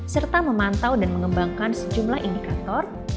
serta memantau dan mengembangkan sejumlah indikator